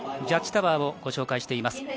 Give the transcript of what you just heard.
ジャッジタワーをご紹介しています。